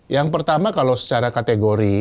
yang pertama kalau secara kategori